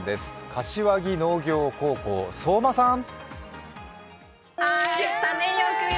柏木農業高校、相馬さん！